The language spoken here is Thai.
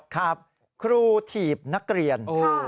ครับครูถีบนักเรียน